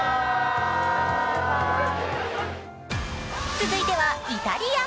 続いてはイタリア。